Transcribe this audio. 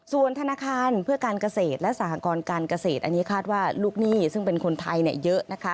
ส่วนธนาคารเพื่อการเกษตรและสหกรการเกษตรอันนี้คาดว่าลูกหนี้ซึ่งเป็นคนไทยเยอะนะคะ